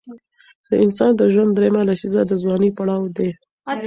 د انسان د ژوند دریمه لسیزه د ځوانۍ پړاو دی.